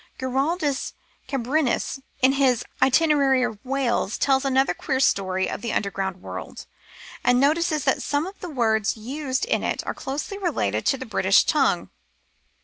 Giraldus Cambrensis in his Itinerary of Wales tells another queer story of the underground world, and notices that some of the words used in it are closely related to the British tongue.